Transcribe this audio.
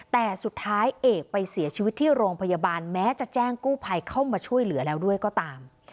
แต่สุดท้ายเอกไปเสียชีวิตที่โรงพยาบาลแม้จะแจ้งกู้ภัยเข้ามาช่วยเหลือแล้วด้วยก็ตาม